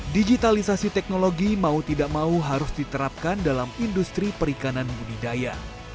digitalisasi teknologi mau tidak mau harus diterapkan dalam industri perikanan budidaya